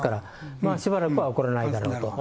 まあしばらくは起こらないだろうと。